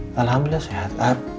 kehamilannya sehat ard